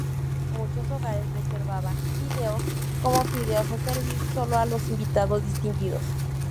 Muchos hogares reservaban fideos como fideos a servir solo a los invitados distinguidos.